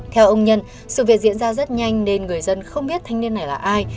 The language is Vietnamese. theo ông nhân sự việc diễn ra rất nhanh nên người dân không biết thanh niên này là ai